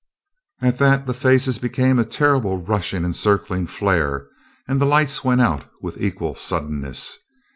At that the faces became a terrible rushing and circling flare, and the lights went out with equal suddenness.